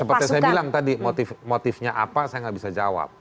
seperti yang saya bilang tadi motifnya apa saya gak bisa jawab